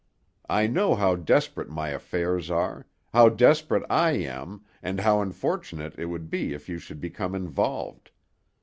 I know how desperate my affairs are; how desperate I am, and how unfortunate it would be if you should become involved.